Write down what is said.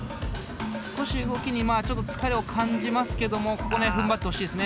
少し動きにまあちょっと疲れを感じますけどもここふんばってほしいですね。